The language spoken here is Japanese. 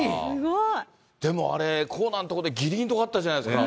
でもあれ、コーナーの所でぎりきりのところあったじゃないですか。